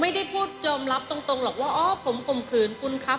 ไม่ได้พูดยอมรับตรงหรอกว่าอ๋อผมข่มขืนคุณครับ